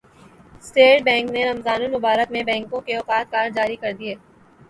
state bank نے رمضان المبارک میں بینکوں کے اوقات کار جاری کردیے